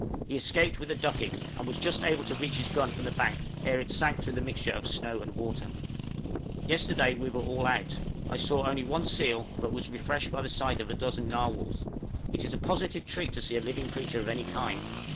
He escaped with a ducking, and was just able to reach his gun from the bank ere it sank through the mixture of snow and water. {A LUCKY DOG.} Yesterday we were all out; I saw only one seal, but was refreshed by the sight of a dozen narwhals. It is a positive treat to see a living creature of any kind.